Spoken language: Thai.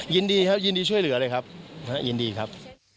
ยินดีครับยินดีช่วยเหลือเลยครับยินดีครับ